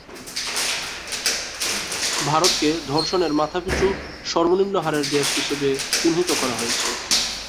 ভারতকে "ধর্ষণের মাথাপিছু সর্বনিম্ন হারের দেশ" হিসাবে চিহ্নিত করা হয়েছে।